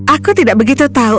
aku tidak begitu tahu